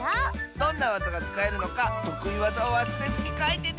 どんなわざがつかえるのかとくいわざをわすれずにかいてね！